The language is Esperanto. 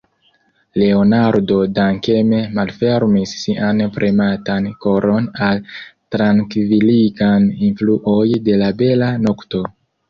Leonardo dankeme malfermis sian prematan koron al trankviligaj influoj de la bela nokto.